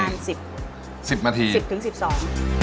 ประมาน๑๐มาที๑๐ถึง๑๒